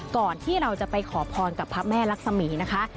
ก่อนที่เราจะไปขอพรกับพระแม่รักษมีนะคะ